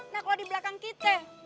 nah kalau di belakang kita